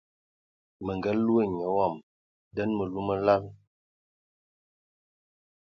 Mə nga loe nya wam nden məlu mə lal.